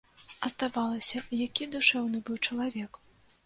А здавалася, які душэўны быў чалавек!